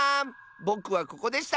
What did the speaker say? ぼくはここでした！